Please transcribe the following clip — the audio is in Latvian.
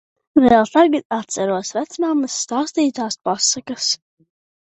Vēl tagad atceros vecmammas stāstītās pasakas!